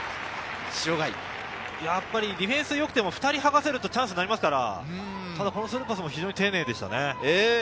やっぱりディフェンスがよくても２人はがせるとチャンスが出ますから、このスルーパスも丁寧でしたね。